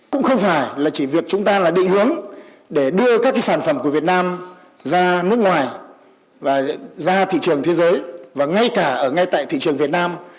cũng không phải là chỉ việc chúng ta là định hướng để đưa các sản phẩm của việt nam ra nước ngoài và ra thị trường thế giới và ngay cả ở ngay tại thị trường việt nam